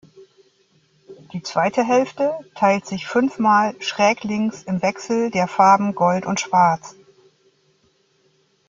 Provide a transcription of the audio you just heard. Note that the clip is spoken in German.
Die zweite Hälfte teilt sich fünfmal schräglinks im Wechsel der Farben Gold und Schwarz.